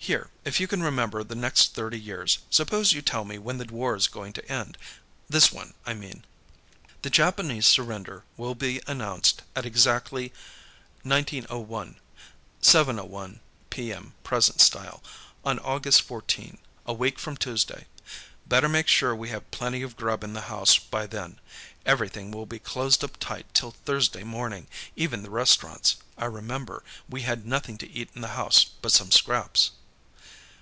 "Here; if you can remember the next thirty years, suppose you tell me when the War's going to end. This one, I mean." "The Japanese surrender will be announced at exactly 1901 7:01 P. M. present style on August 14. A week from Tuesday. Better make sure we have plenty of grub in the house by then. Everything will be closed up tight till Thursday morning; even the restaurants. I remember, we had nothing to eat in the house but some scraps."